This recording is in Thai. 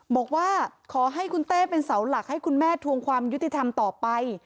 บอกว่าขอให้คุณเต้เป็นเสาหลักให้คุณแม่ทวงความยุติธรรมต่อไป